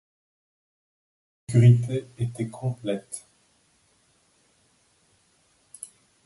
L’obscurité était complète.